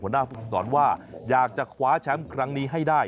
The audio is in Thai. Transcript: หัวหน้าพุทธสอนว่าอยากจะขวาแชมป์ครั้งนี้ให้ได้